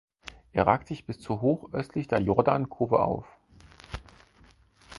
Er ragt bis zu hoch östlich der Jordan Cove auf.